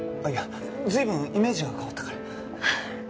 いや随分イメージが変わったから。